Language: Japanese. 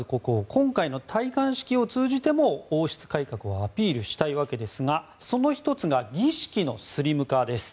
今回の戴冠式を通じても王室改革をアピールしたいわけですがその１つが儀式のスリム化です。